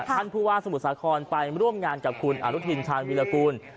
ท่านผู้ว่าสมุทรสาครไปร่วมงานกับคุณอนุทินชาญวิรากูล